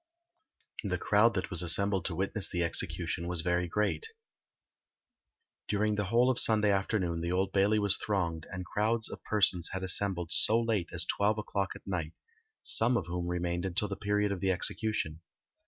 The crowd that was assembled to witness the execution, was very great. During the whole of Sunday afternoon the Old Bailey was thronged, and crowds of persons had assembled so late as twelve o'clock at night, some of whom remained until the period of the execution.